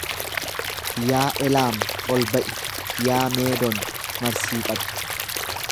Yaa Elaam ol ba'i, yaa Meedon marsii qabi.